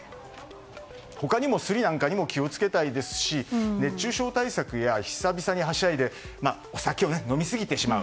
他にも、スリなんかにも気を付けたいですし熱中症対策や、久々にはしゃいでお酒を飲みすぎてしまう。